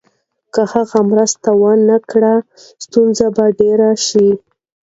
که هغه مرسته ونکړي، ستونزه به ډېره شي.